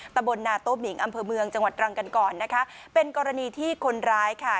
ตะบนนาโต้หมิงอำเภอเมืองจังหวัดตรังกันก่อนนะคะเป็นกรณีที่คนร้ายค่ะ